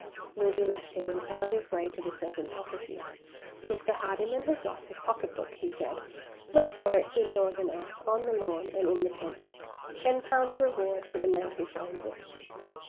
Moody left him, and found his way to the servants' offices. "Mr. Hardyman has lost his pocketbook," he said. "Look for it, indoors and out on the lawn, and in the tent. Ten pounds reward for the man who finds it!"